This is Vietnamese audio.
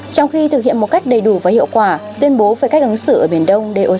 trong khi thực hiện một cách đầy đủ và hiệu quả tuyên bố về cách ứng xử ở biển đông doc